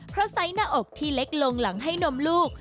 เพราะไซส์หน้าอกที่เล็กลงหลังให้นมลูก